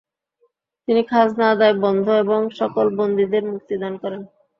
তিনি খাজনা আদায় বন্ধ এবং সকল বন্দীদের মুক্তি দান করেন।